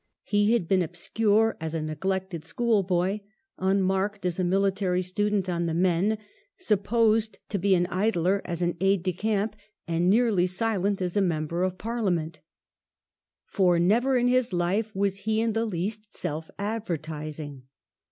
He had been obscure as a neglected schoolboy, un marked as a military student on the Maine, supposed to be an idler as an aide de camp, and nearly silent as a Member of Parliament For never in his life was he in the least self advertising.